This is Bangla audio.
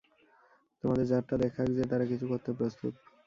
তোমাদের জাতটা দেখাক যে তারা কিছু করতে প্রস্তুত।